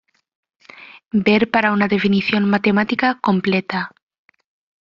Ver para una definición matemática completa.